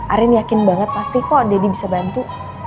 arin yakin banget pasti kok deddy bisa bantu